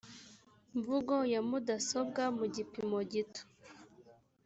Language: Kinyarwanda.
mvugo ya mudasobwa mu gipimo gito